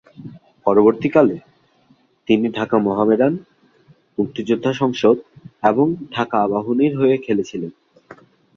পরবর্তীকালে, তিনি ঢাকা মোহামেডান, মুক্তিযোদ্ধা সংসদ এবং ঢাকা আবাহনীর হয়ে খেলেছিলেন।